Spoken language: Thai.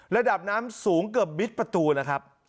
ระดับน้ำสูงเกือบมิดประตูแล้วครับ